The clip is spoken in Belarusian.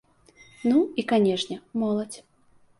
Ну і, канешне, моладзь.